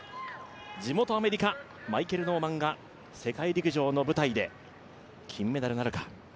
地元アメリカ、マイケル・ノーマンが世界陸上の舞台で金メダルなるか。